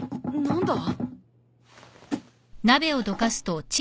何だ？